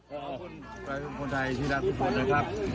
ขอบคุณประชาชนคนไทยที่รักทุกคนนะครับ